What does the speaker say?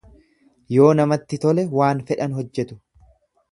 Yoo namatti tole waan fedhan hojjetu.